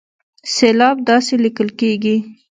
سېلاب داسې ليکل کېږي